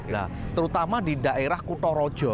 nah terutama di daerah kutorojo